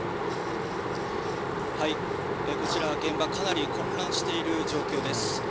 こちら、現場はかなり混乱している状況です。